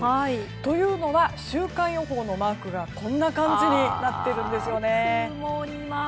というのは、週間予報のマークがこんな感じになっているんです。